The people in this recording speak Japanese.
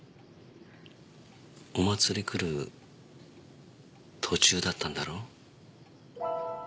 お祭り来る途中だったんだろう？